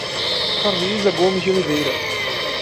Carlisa Gomes de Oliveira